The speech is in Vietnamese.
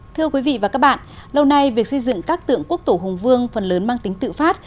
thưa quý vị và các bạn lâu nay việc xây dựng các tượng quốc tổ hùng vương phần lớn mang tính tự phát